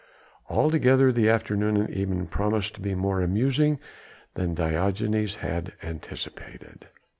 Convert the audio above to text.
Altogether the afternoon and evening promised to be more amusing than Diogenes had anticipated.